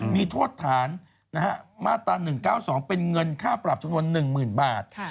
มีโทษฐานมาตรา๑๙๒เป็นเงินค่าปรับจำนวน๑๐๐๐บาท